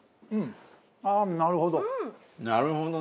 ああなるほど。